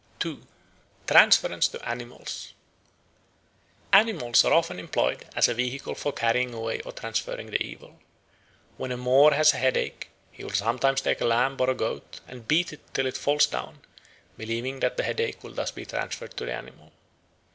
2. The Transference to Animals ANIMALS are often employed as a vehicle for carrying away or transferring the evil. When a Moor has a headache he will sometimes take a lamb or a goat and beat it till it falls down, believing that the headache will thus be transferred to the animal.